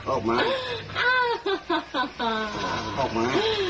ออกมา